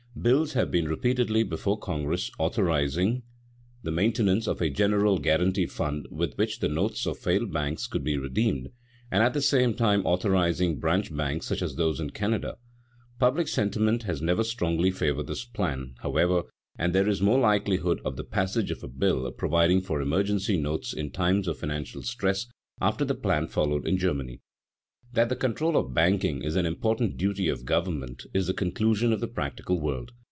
Bills have been repeatedly before Congress authorizing the maintenance of a general guarantee fund with which the notes of failed banks could be redeemed, and at the same time authorizing branch banks such as those in Canada. Public sentiment has never strongly favored this plan, however, and there is more likelihood of the passage of a bill providing for emergency notes in time of financial stress, after the plan followed in Germany. [Sidenote: Bank regulation a protective measure] That the control of banking is an important duty of government is the conclusion of the practical world.